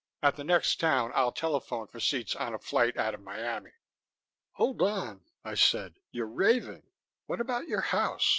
"At the next town, I'll telephone for seats on a flight out of Miami." "Hold on," I said. "You're raving. What about your house?